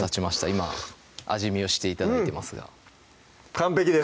今味見をして頂いてますが完璧です